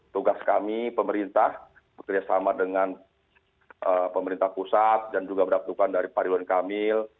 tugas kami pemerintah bekerjasama dengan pemerintah pusat dan juga beraktukan dari pariwan kamil